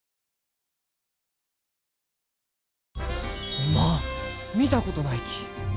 おまん見たことないき。